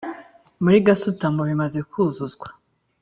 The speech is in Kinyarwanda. muri gasutamo bimaze kuzuzwa